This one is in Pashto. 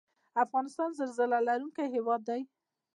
افغانستان زلزله لرونکی هیواد دی